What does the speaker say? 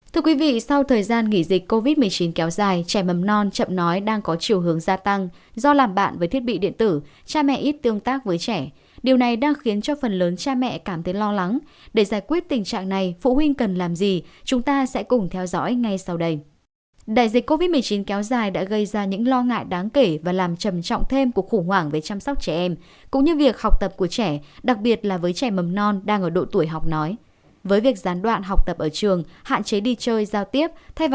thưa quý vị sau thời gian nghỉ dịch covid một mươi chín kéo dài trẻ mầm non chậm nói đang có chiều hướng gia tăng